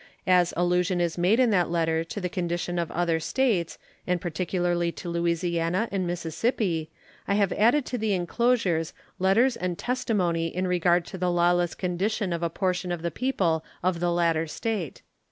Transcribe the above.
As allusion is made in that letter to the condition of other States, and particularly to Louisiana and Mississippi, I have added to the inclosures letters and testimony in regard to the lawless condition of a portion of the people of the latter State.